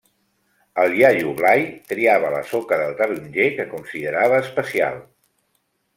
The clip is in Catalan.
El iaio Blai triava la soca de taronger que considerava especial.